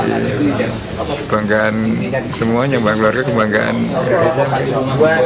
kebanggaan semuanya keluarga kebanggaan